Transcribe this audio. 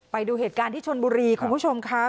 ไปดูเหตุการณ์ที่ชนบุรีคุณผู้ชมครับ